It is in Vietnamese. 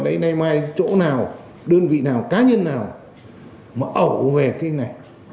đấy nay mai chỗ nào đơn vị nào cá nhân nào mà ẩu về cái này